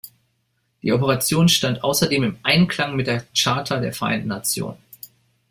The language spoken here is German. Die Operation stand außerdem im Einklang mit der Charta der Vereinten Nationen.